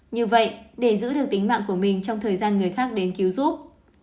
như vậy để giữ được tính mạng của mình trong thời gian người khác đến cứu giúp